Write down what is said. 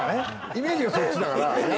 イメージがそっちだから。